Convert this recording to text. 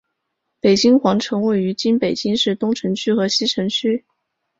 北京皇城位于今北京市东城区和西城区。